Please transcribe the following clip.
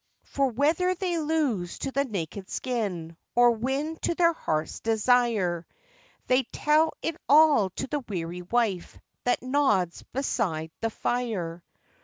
For whether they lose to the naked skin, Or win to their hearts' desire, They tell it all to the weary wife That nods beside the fire.